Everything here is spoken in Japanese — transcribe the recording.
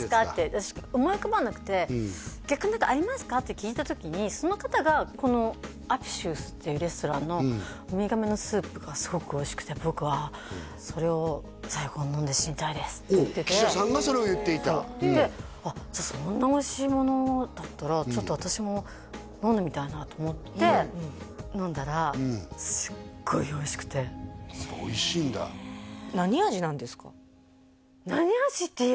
私思い浮かばなくて逆に「何かありますか？」って聞いた時にその方がこのアピシウスというレストランのウミガメのスープがすごくおいしくて僕はそれを記者さんがそれを言っていたそうそんなおいしいものだったらちょっと私も飲んでみたいなと思って飲んだらすっごいおいしくておいしいんだ何味なんですか？